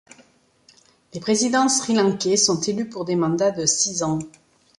Les présidents sri-lankais sont élus pour des mandats de six ans.